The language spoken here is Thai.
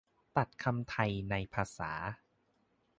ตัดคำไทยในภาษา